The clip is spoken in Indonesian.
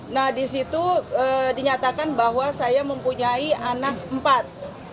nah di situ dinyatakan bahwa saya mempunyai anak empat